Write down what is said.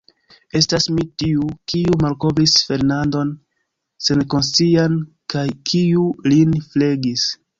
Estas mi tiu, kiu malkovris Fernandon senkonscian, kaj kiu lin flegis.